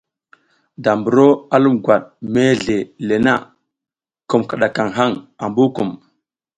Da buro a lum gwat mesle le na, kum kiɗakaŋ haŋ ambu kum.